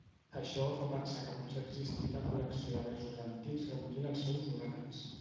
Això fa pensar que potser existí una col·lecció de versos antics recollint els seus oracles.